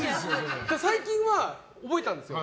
最近、覚えたんですよ。